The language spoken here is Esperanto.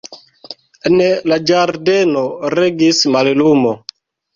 En la ĝardeno regis mallumo.